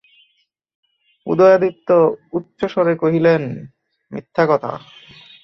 উদয়াদিত্য উচ্চৈঃস্বরে কহিয়া উঠিলেন, মিথ্যা কথা।